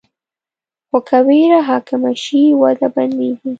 خو که ویره حاکمه شي، وده بندېږي.